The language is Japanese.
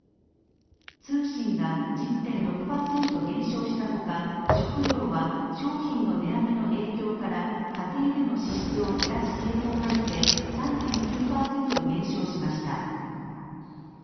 通信が１０．６％減少したほか、食料は商品の値上げの影響から家庭での支出を減らす傾向が出て３．９％減少しました。